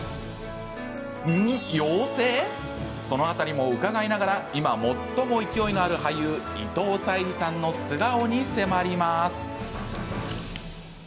その辺りも伺いながら今、最も勢いのある俳優伊藤沙莉さんの素顔に迫ります。